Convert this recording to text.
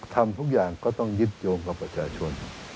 ทำทุกอย่างก็ต้องยึดโยงกับประชาชน